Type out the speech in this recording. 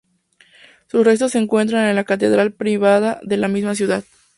Sus restos se encuentran en la Catedral Primada de la misma ciudad.